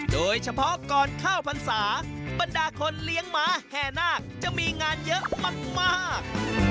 โดยเฉพาะก่อนเข้าพรรษาบรรดาคนเลี้ยงหมาแห่นาคจะมีงานเยอะมาก